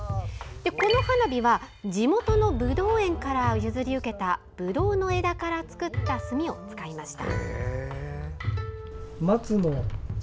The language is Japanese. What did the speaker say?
この花火は地元のぶどう園から譲り受けたぶどうの枝から作った炭を使いました。